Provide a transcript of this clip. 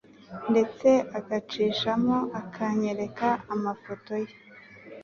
ndetse agacishamo akanyereka amafoto ye